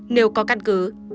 nếu có căn cứ